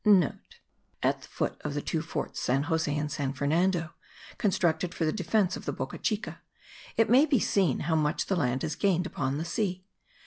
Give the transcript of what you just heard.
(* At the foot of the two forts San Jose and San Fernando, constructed for the defence of the Boca Chica, it may be seen how much the land has gained upon the sea.